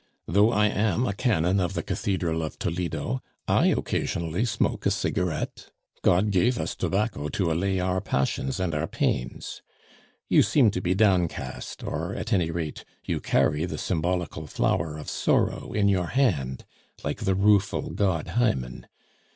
"Though I am a canon of the cathedral of Toledo, I occasionally smoke a cigarette. God gave us tobacco to allay our passions and our pains. You seem to be downcast, or at any rate, you carry the symbolical flower of sorrow in your hand, like the rueful god Hymen.